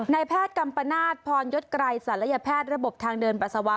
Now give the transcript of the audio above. ในแพทย์กัมประนาถพรยศไกรศาลยพแพทย์ระบบทางเดินปรัสวะ